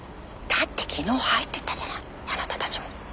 だって昨日入ってったじゃないあなたたちも。